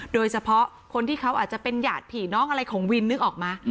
โดยเฉพาะคนที่เขาอาจจะเป็นหยาดผีน้องอะไรของวินนึกออกมา